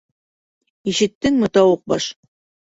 Ишеттеңме, тауыҡ баш?